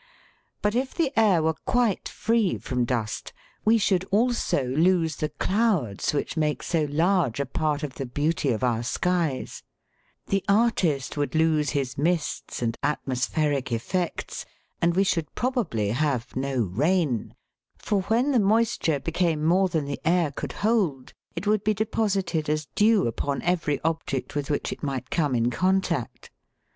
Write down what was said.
But if the air were quite free from dust we should also lose the clouds which make so large a part of the beauty of our skies ; the artist would lose his mists and atmospheric effects, and we should probably have no rain, for when the moisture became more than the air could hold, it would be deposited as dew upon every object with which it might come in contact.